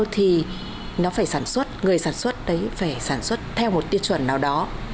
thì người sản xuất đấy phải sản xuất theo một tiêu chuẩn nào đó